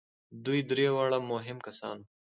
دوی درې واړه مهم کسان وو.